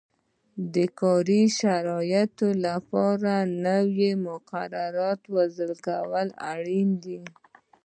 د کاري شرایطو لپاره نویو مقرراتو وضعه کول اړین دي.